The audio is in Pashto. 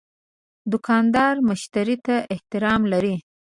دوکاندار مشتری ته احترام لري.